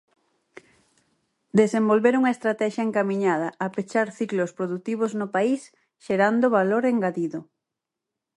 Desenvolver unha estratexia encamiñada a pechar ciclos produtivos no país, xerando valor engadido.